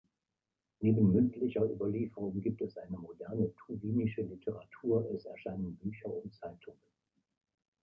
Neben mündlicher Überlieferung gibt es eine moderne tuwinische Literatur, es erscheinen Bücher und Zeitungen.